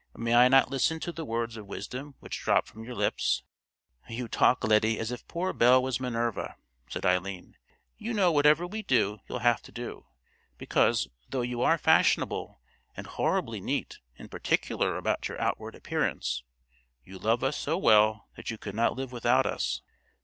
May I not listen to the words of wisdom which drop from your lips?" "You talk, Lettie, as if poor Belle was Minerva," said Eileen. "You know whatever we do you'll have to do; because, though you are fashionable and horribly neat and particular about your outward appearance, you love us so well that you could not live without us."